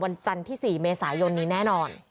วันจันทร์ที่๔เมษายนแน่นอน